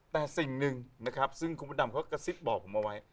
แต่สิ่งหนึ่งนะครับซึ่งคุณพระดำเขากระซิบบอกผมเอาไว้